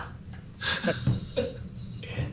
ハハハハ！